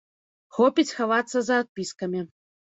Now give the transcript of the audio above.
Хопіць хавацца за адпіскамі.